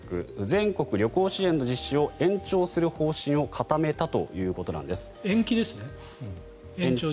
全国旅行支援の実施を延期する方針を固めたということなんです。